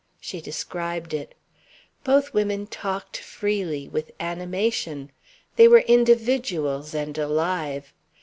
She described it. Both women talked freely, with animation. They were individuals and alive.